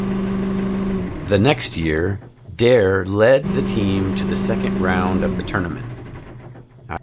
The next year, Dare led the team to the second round of the tournament.